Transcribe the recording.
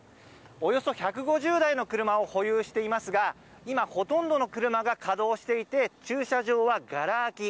およそ１５０台の車を保有していますが今、ほとんどの車が稼働していて駐車場はがら空き。